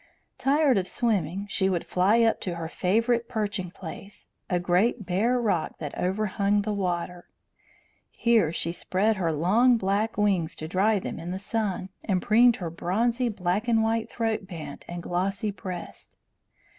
Tired of swimming, she would fly up to her favourite perching place a great bare rock that overhung the water. Here she spread her long black wings to dry them in the sun, and preened her bronzy back and white throat band and glossy breast.